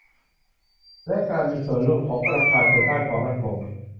และการมีส่วนร่วมของประชาชนด้านความมั่นคง